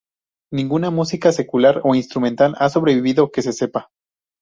Ninguna música secular o instrumental ha sobrevivido que se sepa.